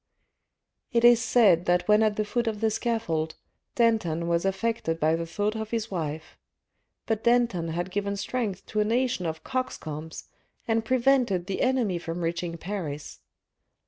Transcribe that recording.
" It is said that when at the foot of the scaffold, Danton was affected by the thought of his wife : but Danton had given strength to a nation of coxcombs and prevented the enemy from reaching Paris.